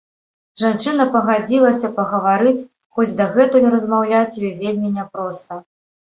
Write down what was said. Жанчына пагадзілася пагаварыць, хоць дагэтуль размаўляць ёй вельмі няпроста.